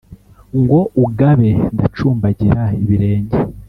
Ngo ugabe, ndacumbagira ibirenge.